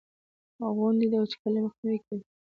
• غونډۍ د وچکالۍ مخنیوی کوي.